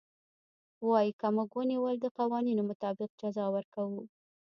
وايي که موږ ونيول د قوانينو مطابق جزا ورکوو.